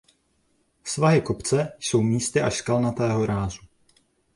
Svahy kopce jsou místy až skalnatého rázu.